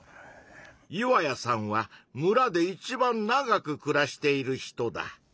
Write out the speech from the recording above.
岩谷さんは村で一番長くくらしている人だ。